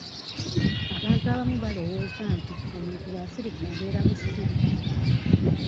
Abantu abamu balowooza nti omuntu bw'asirika abeera musiru.